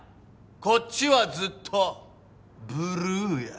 こっちはずっとブルーや。